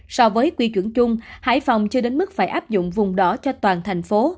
so với quy chuẩn chung hải phòng chưa đến mức phải áp dụng vùng đỏ cho toàn thành phố